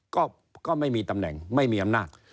ก็ไม่มีตำแหน่งไม่มีอำนาจ